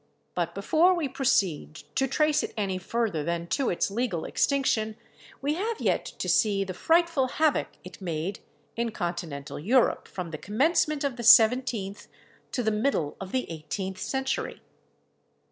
But before we proceed to trace it any further than to its legal extinction, we have yet to see the frightful havoc it made in continental Europe from the commencement of the seventeenth to the middle of the eighteenth century.